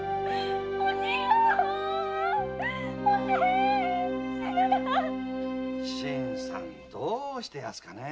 おじい新さんどうしてますかね。